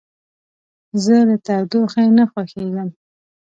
زه له تودوخې نه خوښیږم.